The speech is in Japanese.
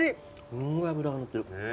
すごい脂がのってる。